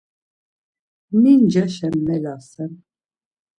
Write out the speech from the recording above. Mi ncaşen melasen?